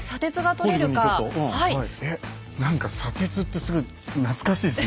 何か砂鉄ってすごい懐かしいですね。